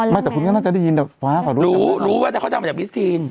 ไม่แต่คุณยังน่าจะได้ยินว่าฟ้ากว่ารุดรู้ว่าแต่เขาจำมาจากมิสทีน